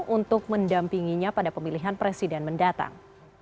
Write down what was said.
untuk mendampinginya pada pemilihan presiden mendatang